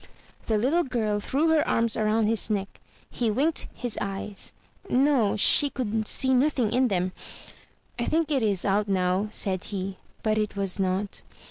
'' The little girl threw her arms around his neck. He winked his eyes; no, she could see nothing in them. "I think it is out now," said he; but it was not.